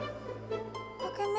pakai make up bu